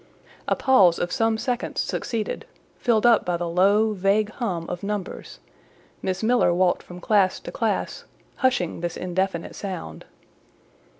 A pause of some seconds succeeded, filled up by the low, vague hum of numbers; Miss Miller walked from class to class, hushing this indefinite sound.